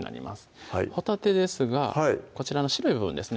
ほたてですがこちらの白い部分ですね